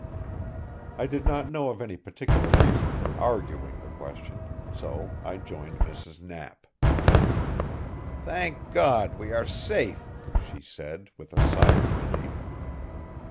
I did not know of any particular reason for arguing the question, so I joined Mrs. Knapp. "Thank God, we are safe!" she said, with a sigh of relief.